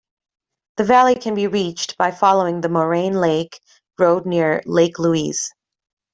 The valley can be reached by following the Moraine Lake road near Lake Louise.